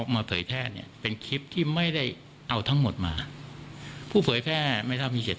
ไม่ทราบ